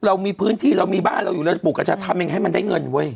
เรามีพื้นที่เรามีบ้านเราอยู่เราจะปลูกกระชาทำเองให้มันได้เงินเว้ย